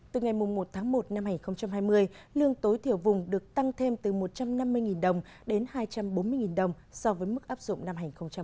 từ ngày một tháng một năm hai nghìn hai mươi lương tối thiểu vùng được tăng thêm từ một trăm năm mươi đồng đến hai trăm bốn mươi đồng so với mức áp dụng năm hai nghìn một mươi chín